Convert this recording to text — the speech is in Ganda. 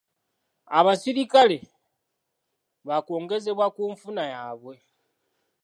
Abaserikale baakwongezebwa ku nfuna yaabwe.